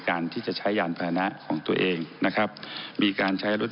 บาลรัฐบาลรัฐบาลรัฐบาลรัฐ